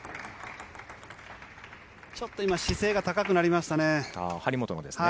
ちょっと今、姿勢が高くなり張本のですね。